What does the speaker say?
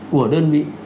của đơn vị